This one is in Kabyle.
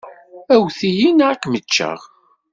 Awwet-iyi neɣ ad kem-ččeɣ.